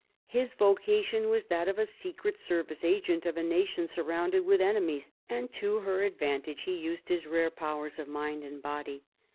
His vocation was that of a secret service agent of a nation surrounded with enemies, and to her advantage he used his rare powers of mind and body.